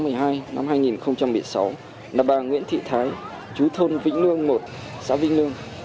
cuối tháng một mươi hai năm hai nghìn một mươi sáu là bà nguyễn thị thái chú thôn vĩnh lương một xã vĩnh lương